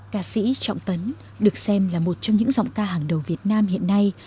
ca sĩ trọng tấn được xem là một trong những giọng ca hàng đầu việt nam hiện nay